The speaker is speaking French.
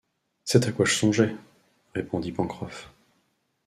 C’est à quoi je songeais, répondit Pencroff